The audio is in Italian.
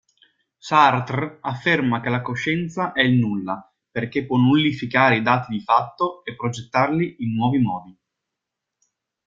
Sartre afferma che la coscienza è il nulla perché può nullificare i dati di fatto e progettarli in nuovi modi.